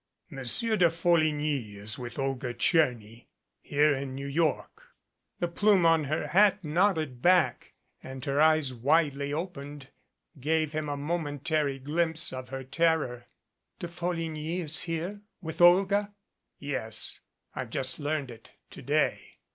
"Monsieur de Folligny is with Olga Tcherny here in New York." The plume on her hat nodded back, and her eyes widely opened gave him a momentary glimpse of her terror. MADCAP "De Folligny is here with Olga !" "Yes. I've just learned it to day."